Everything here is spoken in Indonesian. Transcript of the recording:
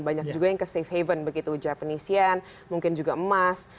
banyak juga yang ke safe haven begitu japanesean mungkin juga emas